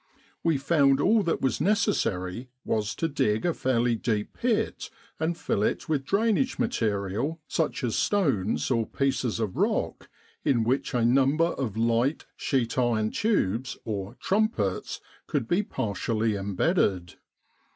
We found all that was necessary was to dig a fairly deep pit and fill it with drainage material such as stones or pieces of rock in which a number of light sheet iron tubes or "trumpets" could be partially embedded.